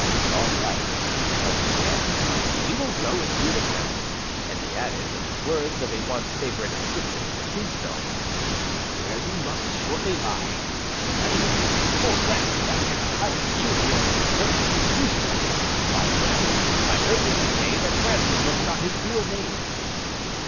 â âAll right,â Holker said; âwe will go and view the ground,â and he added, in the words of a once favorite inscription for tombstones: ââwhere you must shortly lieââI mean, if old Branscom ever gets tired of you and your impertinent intrusion. By the way, I heard the other day that âBranscomâ was not his real name.